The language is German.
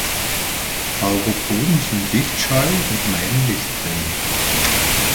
Pauropoden sind lichtscheu und meiden Lichtquellen.